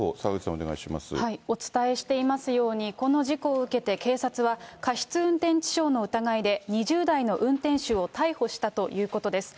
お伝えしてますように、この事故を受けて警察は、過失運転致傷の疑いで２０代の運転手を逮捕したということです。